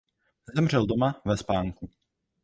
Zemřel doma ve spánku.